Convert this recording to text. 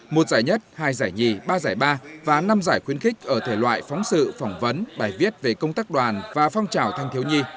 một giải nhất hai giải nhì ba giải ba và năm giải khuyến khích ở thể loại phóng sự phỏng vấn bài viết về công tác đoàn và phong trào thanh thiếu nhi